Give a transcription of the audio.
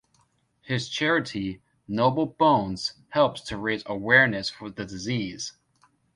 His charity, Noble Bones, helps to raise awareness for the disease.